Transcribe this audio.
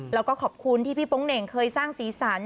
แล้วก็ขอบคุณที่พี่โป๊งเหน่งเคยสร้างสีสัน